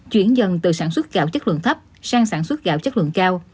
chuyển dần từ sản xuất gạo chất lượng thấp sang sản xuất gạo chất lượng cao